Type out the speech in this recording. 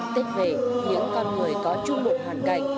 tết về những con người có chung một hoàn cảnh